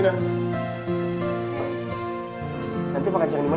nanti aku mau ke rumah